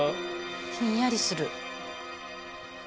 ひんやりする。